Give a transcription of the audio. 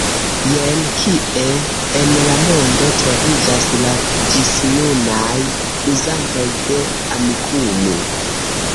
Jen kie en la mondo troviĝas la ĝisnunaj uzantoj de Amikumu.